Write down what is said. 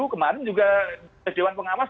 kemarin juga dewan pengawas